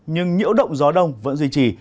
nhưng nhiễu động gió đông vẫn duy trì